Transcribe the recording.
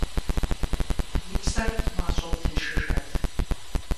И псэр мащӀэу тыншыжат…